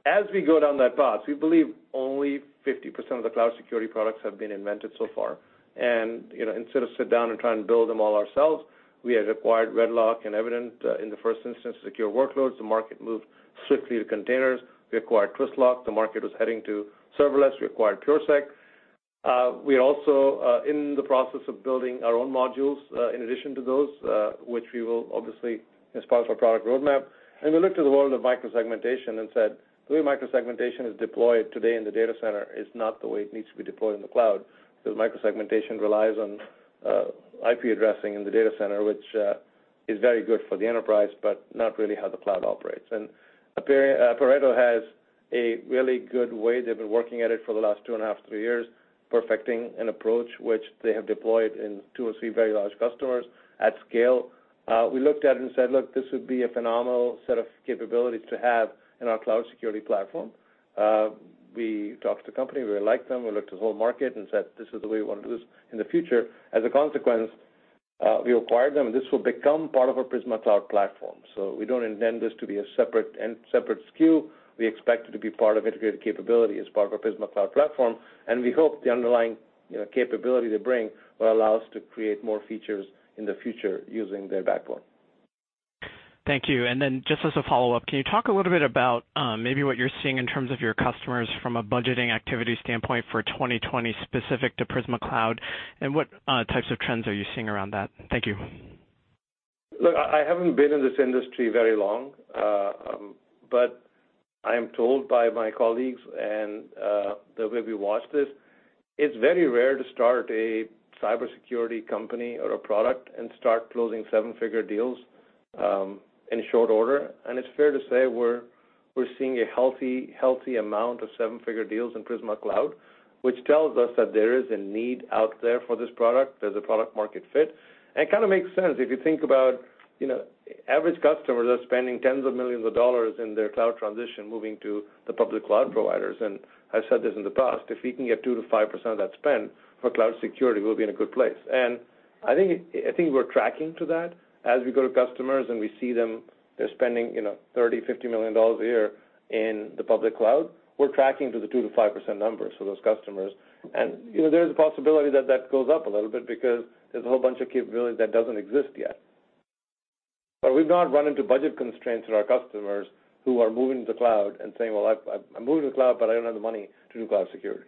As we go down that path, we believe only 50% of the cloud security products have been invented so far. Instead of sit down and try and build them all ourselves, we had acquired RedLock and Evident in the first instance to secure workloads. The market moved swiftly to containers. We acquired Twistlock. The market was heading to serverless. We acquired PureSec. We are also in the process of building our own modules, in addition to those, which we will obviously, as part of our product roadmap. We looked at the world of micro-segmentation and said, "The way micro-segmentation is deployed today in the data center is not the way it needs to be deployed in the cloud." Because micro-segmentation relies on IP addressing in the data center, which is very good for the enterprise, but not really how the cloud operates. Aporeto has a really good way, they've been working at it for the last two and a half, three years, perfecting an approach which they have deployed in two or three very large customers at scale. We looked at it and said, "Look, this would be a phenomenal set of capabilities to have in our cloud security platform." We talked to the company. We liked them. We looked at the whole market and said, "This is the way we want to do this in the future." As a consequence, we acquired them, and this will become part of our Prisma Cloud platform. We don't intend this to be a separate SKU. We expect it to be part of integrated capability as part of our Prisma Cloud platform, and we hope the underlying capability they bring will allow us to create more features in the future using their backbone. Thank you. Just as a follow-up, can you talk a little bit about maybe what you're seeing in terms of your customers from a budgeting activity standpoint for 2020 specific to Prisma Cloud, and what types of trends are you seeing around that? Thank you. Look, I haven't been in this industry very long, but I am told by my colleagues and the way we watch this, it's very rare to start a cybersecurity company or a product and start closing seven-figure deals in short order. It's fair to say we're seeing a healthy amount of seven-figure deals in Prisma Cloud, which tells us that there is a need out there for this product. There's a product market fit. It kind of makes sense if you think about average customers are spending tens of millions of dollars in their cloud transition, moving to the public cloud providers. I've said this in the past, if we can get 2%-5% of that spend for cloud security, we'll be in a good place. I think we're tracking to that as we go to customers and we see they're spending $30 million, $50 million a year in the public cloud. We're tracking to the 2%-5% numbers for those customers. There's a possibility that that goes up a little bit because there's a whole bunch of capability that doesn't exist yet. We've not run into budget constraints with our customers who are moving to the cloud and saying, "Well, I'm moving to the cloud, but I don't have the money to do cloud security.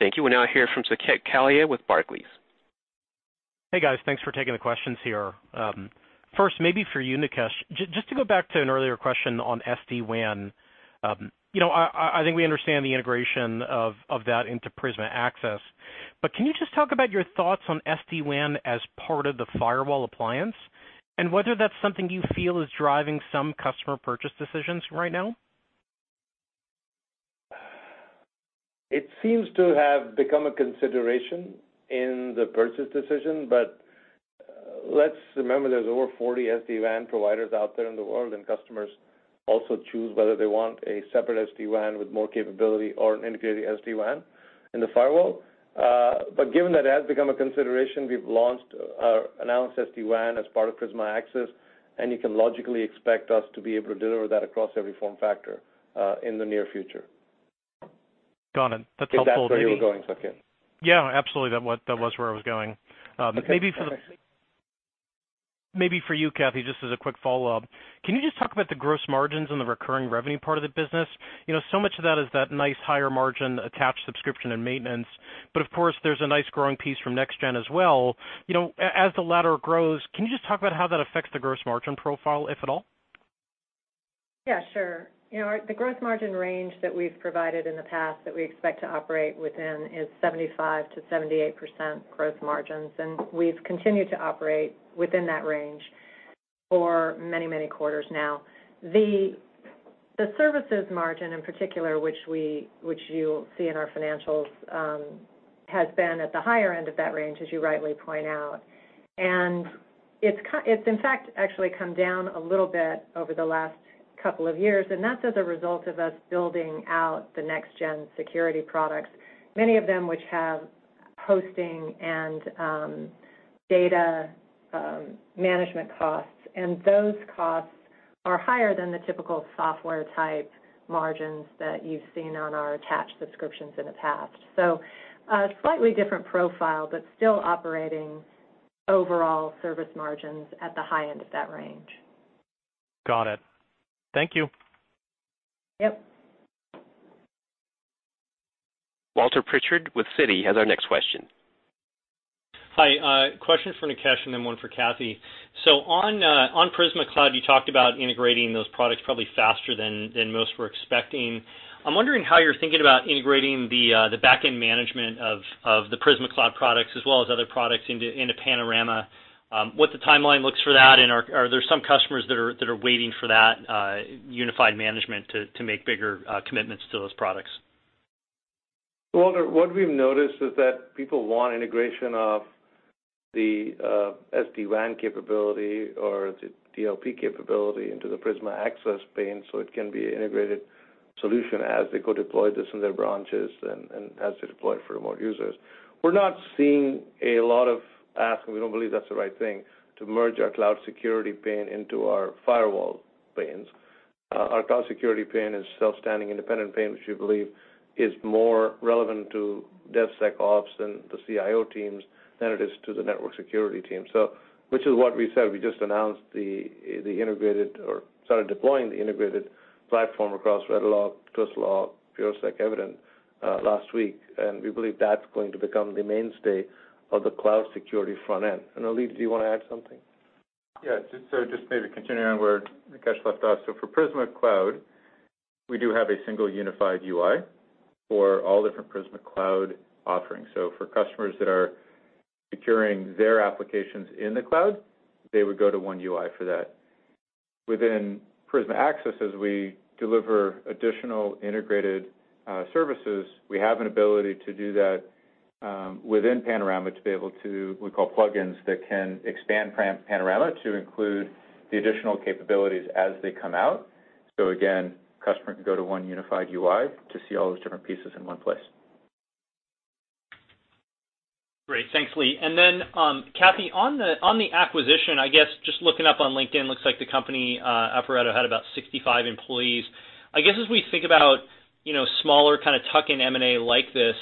Thank you. We'll now hear from Saket Kalia with Barclays. Hey, guys. Thanks for taking the questions here. First, maybe for you, Nikesh, just to go back to an earlier question on SD-WAN. I think we understand the integration of that into Prisma Access. Can you just talk about your thoughts on SD-WAN as part of the firewall appliance, and whether that's something you feel is driving some customer purchase decisions right now? It seems to have become a consideration in the purchase decision, but let's remember there's over 40 SD-WAN providers out there in the world, and customers also choose whether they want a separate SD-WAN with more capability or an integrated SD-WAN in the firewall. Given that it has become a consideration, we've announced SD-WAN as part of Prisma Access, and you can logically expect us to be able to deliver that across every form factor in the near future. Got it. That's helpful to hear. Is that where you were going, Saket? Yeah, absolutely. That was where I was going. Okay, perfect. Maybe for you, Kathy, just as a quick follow-up. Can you just talk about the gross margins and the recurring revenue part of the business? Much of that is that nice higher margin attached subscription and maintenance. Of course, there's a nice growing piece from NextGen as well. As the latter grows, can you just talk about how that affects the gross margin profile, if at all? Yeah, sure. The gross margin range that we've provided in the past that we expect to operate within is 75%-78% gross margins, and we've continued to operate within that range for many quarters now. The services margin in particular, which you'll see in our financials, has been at the higher end of that range, as you rightly point out. It's in fact, actually come down a little bit over the last couple of years, and that's as a result of us building out the NextGen Security products, many of them which have hosting and data management costs. Those costs are higher than the typical software-type margins that you've seen on our attached subscriptions in the past. A slightly different profile, but still operating overall service margins at the high end of that range. Got it. Thank you. Yep. Walter Pritchard with Citi has our next question. Hi. Question for Nikesh, and then one for Kathy. On Prisma Cloud, you talked about integrating those products probably faster than most were expecting. I'm wondering how you're thinking about integrating the back-end management of the Prisma Cloud products as well as other products into Panorama, what the timeline looks for that, and are there some customers that are waiting for that unified management to make bigger commitments to those products? Well, what we've noticed is that people want integration of the SD-WAN capability or the DLP capability into the Prisma Access pane so it can be integrated solution as they go deploy this in their branches and as they deploy for more users. We're not seeing a lot of ask, and we don't believe that's the right thing to merge our cloud security pane into our firewall panes. Our cloud security pane is a freestanding independent pane, which we believe is more relevant to DevSecOps and the CIO teams than it is to the network security team. Which is what we said, we just announced the integrated or started deploying the integrated platform across RedLock, Twistlock, PureSec, Evident last week, and we believe that's going to become the mainstay of the cloud security front end. Lee, do you want to add something? Yes. Just maybe continuing on where Nikesh left off. For Prisma Cloud, we do have a single unified UI for all different Prisma Cloud offerings. For customers that are securing their applications in the cloud, they would go to one UI for that. Within Prisma Access, as we deliver additional integrated services, we have an ability to do that within Panorama to be able to, we call plugins, that can expand Panorama to include the additional capabilities as they come out. Again, customer can go to one unified UI to see all those different pieces in one place. Great. Thanks, Lee. Then, Kathy, on the acquisition, I guess just looking up on LinkedIn, looks like the company, Aporeto, had about 65 employees. I guess as we think about smaller kind of tuck-in M&A like this,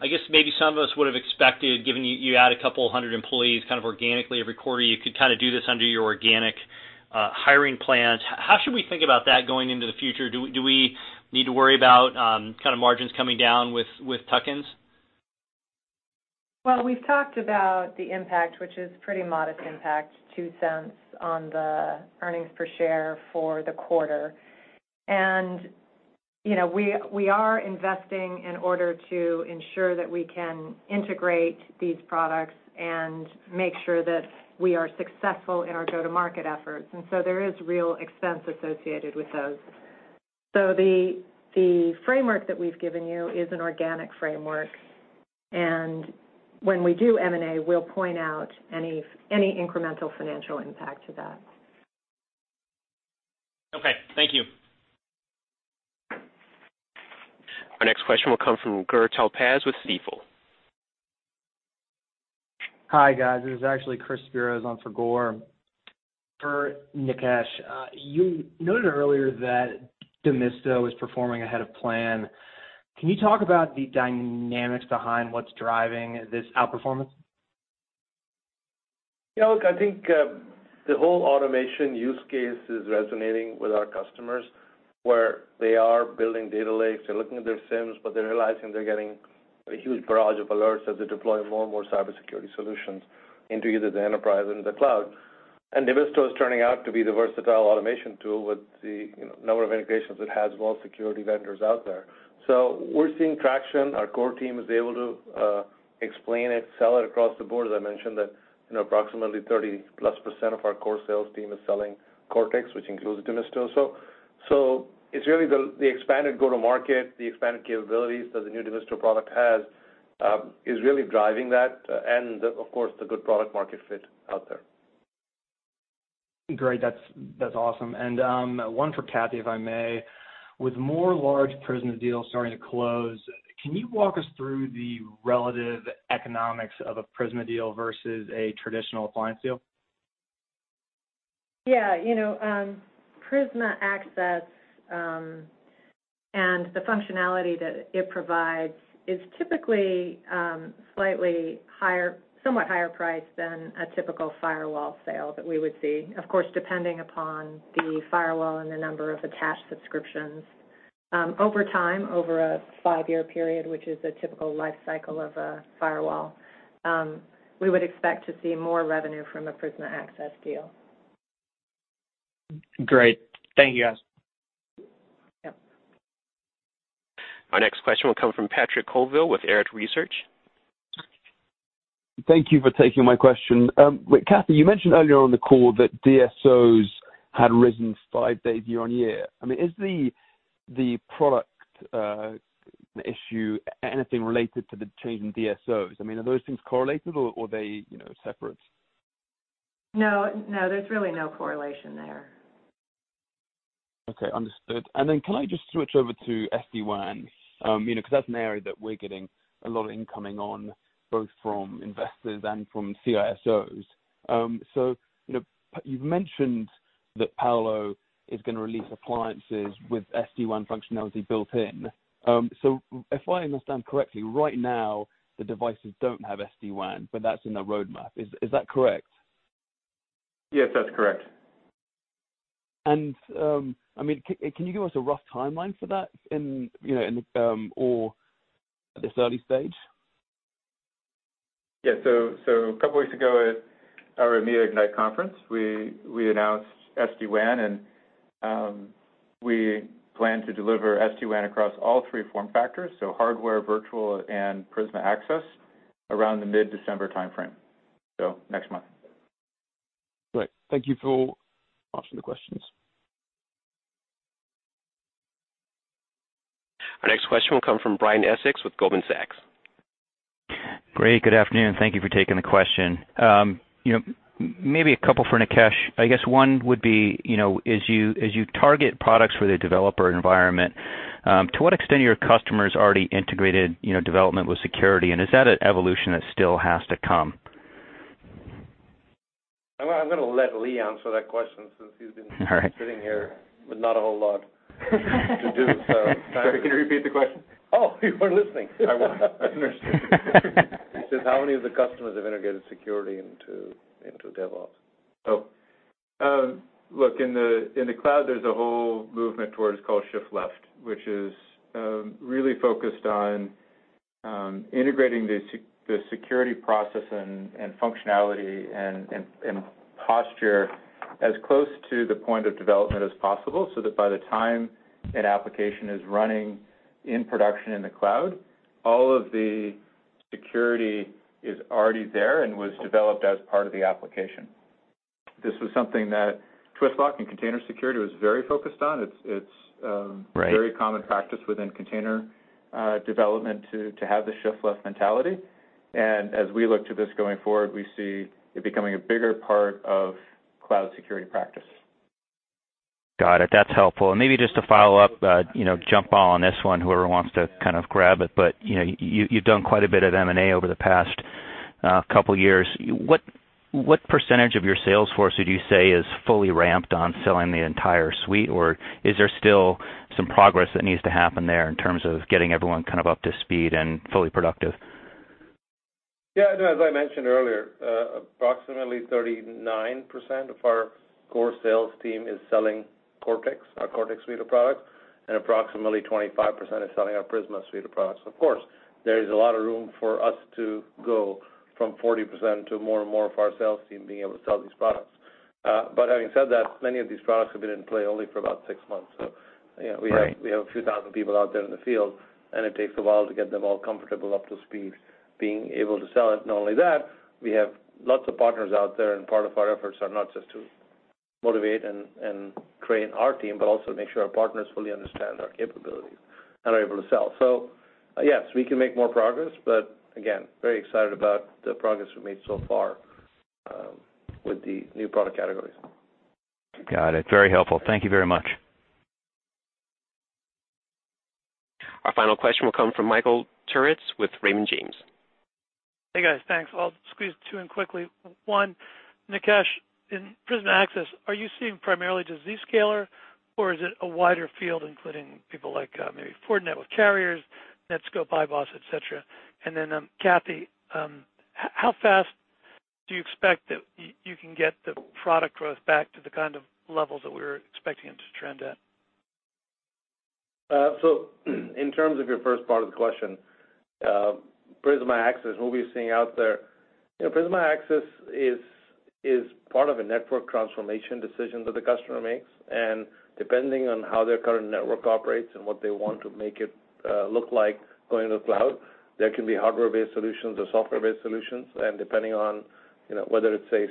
I guess maybe some of us would've expected, given you add a couple of hundred employees organically every quarter, you could do this under your organic hiring plans. How should we think about that going into the future? Do we need to worry about margins coming down with tuck-ins? Well, we've talked about the impact, which is pretty modest impact, $0.02 on the earnings per share for the quarter. We are investing in order to ensure that we can integrate these products and make sure that we are successful in our go-to-market efforts. There is real expense associated with those. The framework that we've given you is an organic framework, and when we do M&A, we'll point out any incremental financial impact to that. Okay. Thank you. Our next question will come from Gur Talpaz with Stifel. Hi, guys. This is actually Chris Spiros on for Gur. For Nikesh, you noted earlier that Demisto is performing ahead of plan. Can you talk about the dynamics behind what's driving this outperformance? Yeah, look, I think the whole automation use case is resonating with our customers, where they are building data lakes. They're looking at their SIEMs, they're realizing they're getting a huge barrage of alerts as they deploy more and more cybersecurity solutions into either the enterprise or the cloud. Demisto is turning out to be the versatile automation tool with the number of integrations it has with all security vendors out there. We're seeing traction. Our core team is able to explain it, sell it across the board. As I mentioned that approximately 30+% of our core sales team is selling Cortex, which includes Demisto. It's really the expanded go-to-market, the expanded capabilities that the new Demisto product has, is really driving that. Of course, the good product market fit out there. Great. That's awesome. One for Kathy, if I may. With more large Prisma deals starting to close, can you walk us through the relative economics of a Prisma deal versus a traditional appliance deal? Prisma Access and the functionality that it provides is typically slightly higher, somewhat higher priced than a typical firewall sale that we would see. Of course, depending upon the firewall and the number of attached subscriptions. Over time, over a five-year period, which is a typical life cycle of a firewall, we would expect to see more revenue from a Prisma Access deal. Great. Thank you, guys. Yep. Our next question will come from Patrick Colville with Arete Research. Thank you for taking my question. Kathy, you mentioned earlier on the call that DSOs had risen five days year-on-year. Is the product issue anything related to the change in DSOs? Are those things correlated or are they separate? No, there's really no correlation there. Okay, understood. Can I just switch over to SD-WAN? That's an area that we're getting a lot of incoming on, both from investors and from CISOs. You've mentioned that Palo is going to release appliances with SD-WAN functionality built in. If I understand correctly, right now the devices don't have SD-WAN, but that's in the roadmap. Is that correct? Yes, that's correct. Can you give us a rough timeline for that at this early stage? A couple of weeks ago at our EMEA Ignite conference, we announced SD-WAN and. We plan to deliver SD-WAN across all three form factors, so hardware, virtual, and Prisma Access, around the mid-December timeframe. Next month. Great. Thank you for answering the questions. Our next question will come from Brian Essex with Goldman Sachs. Great. Good afternoon. Thank you for taking the question. Maybe a couple for Nikesh. I guess one would be, as you target products for the developer environment, to what extent are your customers already integrated development with security, and is that an evolution that still has to come? I'm going to let Lee answer that question since he's been- All right. sitting here with not a whole lot to do so. Sorry, can you repeat the question? Oh, you weren't listening. I wasn't. I missed it. He says how many of the customers have integrated security into DevOps? Oh. Look, in the cloud, there's a whole movement towards call shift left, which is really focused on integrating the security process and functionality and posture as close to the point of development as possible, so that by the time an application is running in production in the cloud, all of the security is already there and was developed as part of the application. This was something that Twistlock and container security was very focused on. Right a very common practice within container development to have the shift left mentality. As we look to this going forward, we see it becoming a bigger part of cloud security practice. Got it. That's helpful. Maybe just to follow up, jump ball on this one, whoever wants to kind of grab it, but you've done quite a bit of M&A over the past couple of years. What percentage of your sales force would you say is fully ramped on selling the entire suite? Is there still some progress that needs to happen there in terms of getting everyone up to speed and fully productive? As I mentioned earlier, approximately 39% of our core sales team is selling Cortex, our Cortex suite of products, and approximately 25% is selling our Prisma suite of products. Of course, there is a lot of room for us to go from 40% to more and more of our sales team being able to sell these products. Having said that, many of these products have been in play only for about six months. Right a few thousand people out there in the field, and it takes a while to get them all comfortable, up to speed, being able to sell it. Not only that, we have lots of partners out there, and part of our efforts are not just to motivate and train our team, but also make sure our partners fully understand our capabilities and are able to sell. Yes, we can make more progress, but again, very excited about the progress we've made so far with the new product categories. Got it. Very helpful. Thank you very much. Our final question will come from Michael Turits with Raymond James. Hey, guys. Thanks. I'll squeeze two in quickly. One, Nikesh, in Prisma Access, are you seeing primarily just Zscaler, or is it a wider field, including people like maybe Fortinet with carriers, Netskope, Ivanti, et cetera? Then, Kathy, how fast do you expect that you can get the product growth back to the kind of levels that we were expecting it to trend at? In terms of your first part of the question, Prisma Access, what we're seeing out there, Prisma Access is part of a network transformation decision that the customer makes, and depending on how their current network operates and what they want to make it look like going to the cloud, there can be hardware-based solutions or software-based solutions. Depending on whether it's a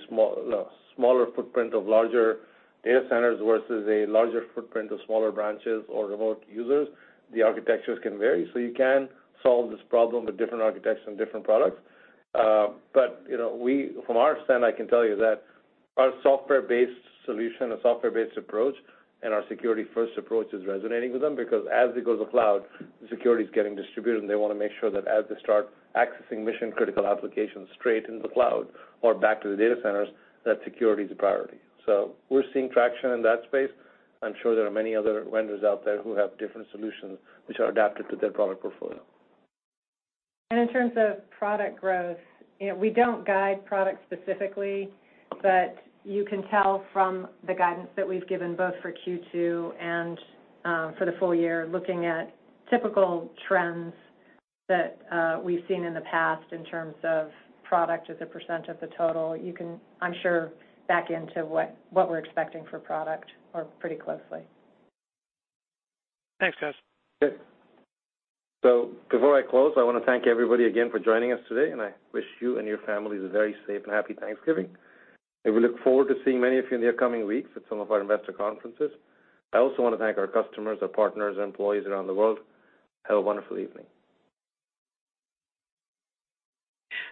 smaller footprint of larger data centers versus a larger footprint of smaller branches or remote users, the architectures can vary. You can solve this problem with different architectures and different products. From our stand, I can tell you that our software-based solution, our software-based approach, and our security-first approach is resonating with them because as they go to the cloud, the security is getting distributed, and they want to make sure that as they start accessing mission-critical applications straight into the cloud or back to the data centers, that security is a priority. We're seeing traction in that space. I'm sure there are many other vendors out there who have different solutions which are adapted to their product portfolio. In terms of product growth, we don't guide product specifically, but you can tell from the guidance that we've given both for Q2 and for the full year, looking at typical trends that we've seen in the past in terms of product as a % of the total, you can, I'm sure, back into what we're expecting for product, or pretty closely. Thanks, guys. Good. Before I close, I want to thank everybody again for joining us today, and I wish you and your families a very safe and happy Thanksgiving. We look forward to seeing many of you in the upcoming weeks at some of our investor conferences. I also want to thank our customers, our partners, employees around the world. Have a wonderful evening.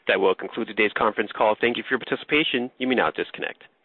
That will conclude today's conference call. Thank you for your participation. You may now disconnect.